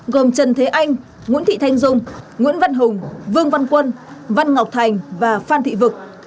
gồm trần thế anh nguyễn thị thanh dung nguyễn văn hùng vương văn quân văn ngọc thành và phan thị vực